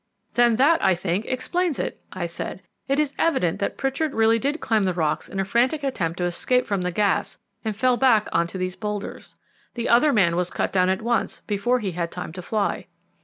"Then that, I think, explains it," I said. "It is evident that Pritchard really did climb the rocks in a frantic attempt to escape from the gas and fell back on to these boulders. The other man was cut down at once, before he had time to fly."